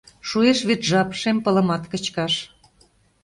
Шуэш вет жап шем пылымат кычкаш.